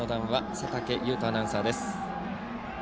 佐竹アナウンサーです。